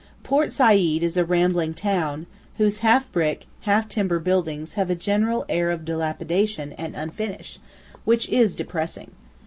Port Said is a rambling town, whose half brick, half timber buildings have a general air of dilapidation and unfinish which is depressing.